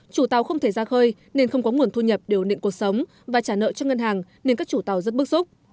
chủ tàu không thể ra khơi nên không có nguồn thu nhập điều nịnh cuộc sống và trả nợ cho ngân hàng nên các chủ tàu rất bức xúc